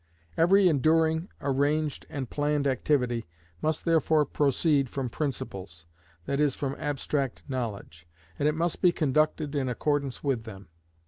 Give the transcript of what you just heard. Every enduring, arranged, and planned activity must therefore proceed from principles,—that is, from abstract knowledge, and it must be conducted in accordance with them.